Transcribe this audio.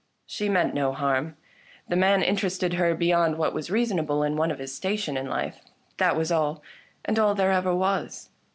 She meant no harm; the man interested her beyond what was reasonable in one of his station in life. That was all, and all there ever was.